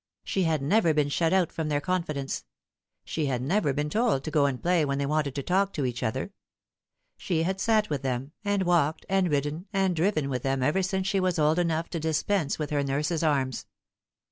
She had never been shut out from their confidence ; she had never been told to go and play when they wanted to talk to each other. She had sat with them, and walked and ridden and driven with them ever since she was old enough to dispense with her nurse's arms.